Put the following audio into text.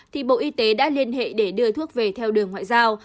thì bộ y tế đã liên hệ để đưa thuốc về theo đường ngoại giao